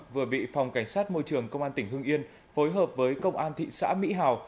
vừa bị phòng cảnh sát môi trường công an tỉnh hương yên phối hợp với công an thị xã mỹ hào